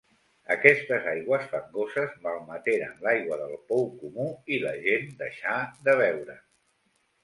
Aquestes aigües fangoses malmeteren l'aigua del pou comú i la gent deixà de beure'n.